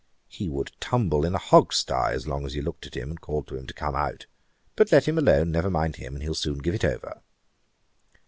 He would tumble in a hogstye, as long as you looked at him and called to him to come out. But let him alone, never mind him, and he'll soon give it over.'